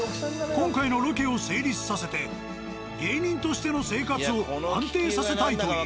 今回のロケを成立させて芸人としての生活を安定させたいという。